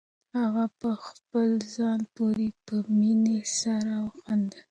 هغه په خپل ځان پورې په مینه سره وخندل.